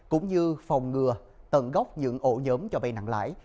cũng như phòng ngừa tận gốc những ổ nhóm cho vay nặng lãi